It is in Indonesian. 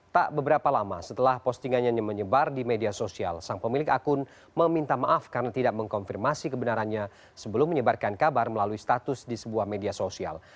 tak beberapa lama setelah postingannya menyebar di media sosial sang pemilik akun meminta maaf karena tidak mengkonfirmasi kebenarannya sebelum menyebarkan kabar melalui status di sebuah media sosial